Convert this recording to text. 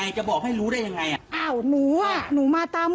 ก็เจอแบบนี้จะจ่ายทำไมอ่ะ